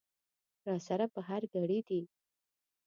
را سره په هر ګړي دي